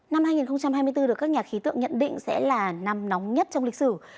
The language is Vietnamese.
năm hai nghìn hai mươi bốn được các nhà khí tượng nhận định sẽ là năm nóng nhất trong lịch sử